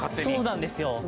そうなんですよ。